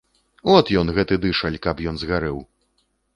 От ён, гэты дышаль, каб ён згарэў!